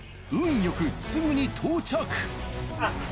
よくすぐに到着。